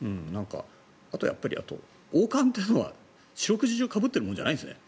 あとは、王冠というのは四六時中かぶっているわけじゃないんですね。